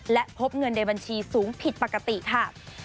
และพบเงินในบัญชีสูงผิดปกติค่ะ